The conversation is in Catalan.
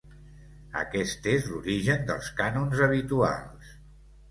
Aquest és l'origen dels cànons habituals.